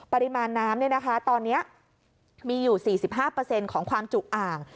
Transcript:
ปริมาณน้ำตอนนี้มีอยู่๔๕ของความจุอ่าง